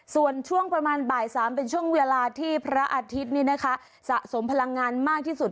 ส่วนช่วงประมาณบ่าย๓เป็นช่วงเวลาที่พระอาทิตย์นี้นะคะสะสมพลังงานมากที่สุด